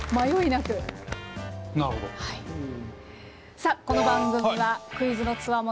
さあこの番組はクイズの強者